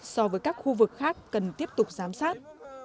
so với các khu vực khác cần tiếp tục giám sát